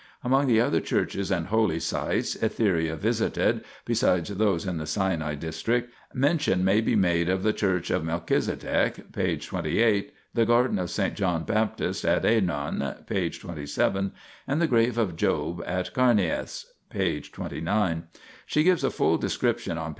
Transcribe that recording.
Among the other churches and holy sites Etheria visited (besides those in the Sinai district) mention may be made of the Church of Melchizedek (p. 28), the garden of S. John Baptist at Aenon (p. 27), and the grave of Job at Carneas (p. 29). She gives a full description on p.